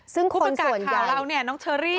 ซึ่งคนส่วนใหญ่คุณประกาศข่าวเรานี่น้องเชอรี่